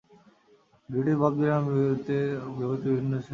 ভিডিওটি Bob Dylan ও ছবিতে ব্যবহৃত বিভিন্ন দৃশ্যের সমন্বয়ে তৈরি।